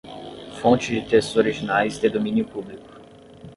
Fonte de textos originais de domínio público.